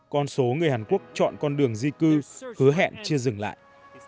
con số người hàn quốc chọn con đường di cư hứa hẹn chưa dừng lại